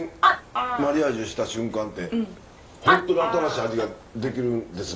マリアージュした瞬間って本当に新しい味ができるんですね。